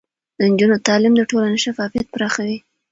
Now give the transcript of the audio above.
د نجونو تعليم د ټولنې شفافيت پراخوي.